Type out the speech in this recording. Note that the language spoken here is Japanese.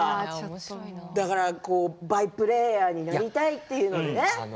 バイプレーヤーになりたいというのでね。